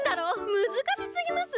難しすぎます！